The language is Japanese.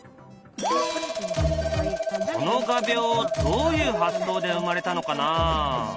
この画びょうどういう発想で生まれたのかな。